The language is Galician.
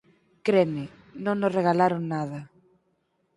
Creme, non nos regalaron nada.